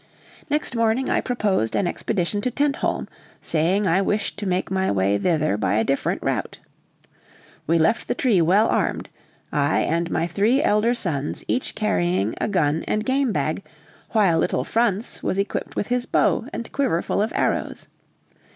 Next morning, I proposed an expedition to Tentholm, saying I wished to make my way thither by a different route. We left the tree well armed; I and my three elder sons each carrying a gun and game bag, while little Franz was equipped with his bow and quiver full of arrows.